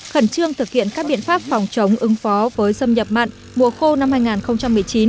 khẩn trương thực hiện các biện pháp phòng chống ứng phó với xâm nhập mặn mùa khô năm hai nghìn một mươi chín